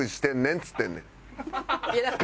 っつってんねん。